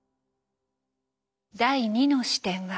第２の視点は。